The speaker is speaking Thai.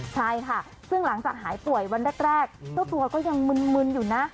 ใช่ค่ะซึ่งหลังจากหายป่วยวันแรกเจ้าตัวก็ยังมึนอยู่นะ